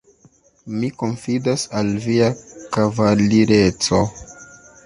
Mi konfidas al via kavalireco.